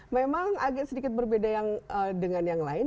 memang agak sedikit berbeda dengan yang lain